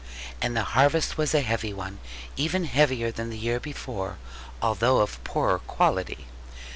And the harvest was a heavy one, even heavier than the year before, although of poorer quality.